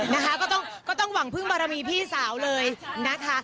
นะคะก็ต้องหวังพึ่งบารมีพี่สาวเลยนะคะ